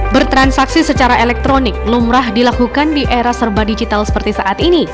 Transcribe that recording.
bertransaksi secara elektronik lumrah dilakukan di era serba digital seperti saat ini